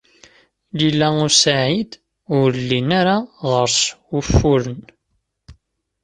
Lila u Saɛid ur llin ara ɣer-s wufuren.